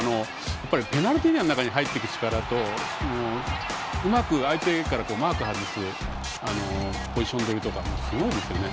やはりペナルティーエリアの中に入っていく力とうまく相手からマークを外すポジション取りとかすごいですよね。